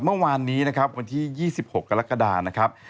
เมื่อวานนี้นะครับวันที่๒๖กรกฎานะครับ